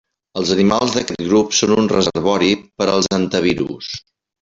Els animals d'aquest grup són un reservori per als hantavirus.